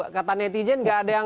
kata netizen nggak ada yang